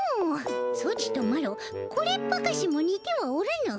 ソチとマロこれっぱかしもにてはおらぬ。